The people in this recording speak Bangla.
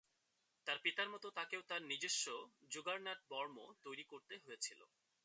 তাঁর পিতার মত তাঁকেও তাঁর নিজস্ব জুগারনাট বর্ম তৈরি করতে হয়েছিল।